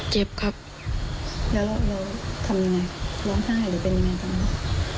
เจ็บครับแล้วเราทำยังไงร้องไห้หรือเป็นยังไงตอนนั้น